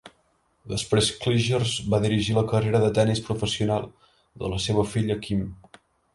Després, Clijsters va dirigir la carrera de tennis professional de la seva filla Kim.